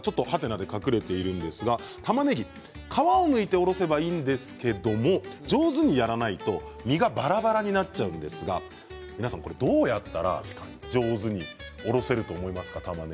で隠れていますがたまねぎ、皮をむいておろせばいいんですけれども上手にやらないと実が、ばらばらになっちゃうんですがどうやったら上手におろせると思いますか？